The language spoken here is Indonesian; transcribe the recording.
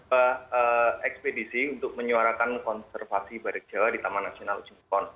kita juga mencari beberapa ekspedisi untuk menyuarakan konservasi badak jawa di taman nasional ujung kulon